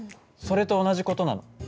それと同じ事なの？